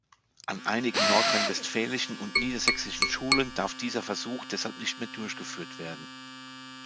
An einigen nordrhein-westfälischen und niedersächsischen Schulen darf dieser Versuch deshalb nicht mehr durchgeführt werden.